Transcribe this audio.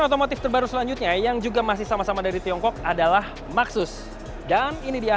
otomotif terbaru selanjutnya yang juga masih sama sama dari tiongkok adalah maxus dan ini dia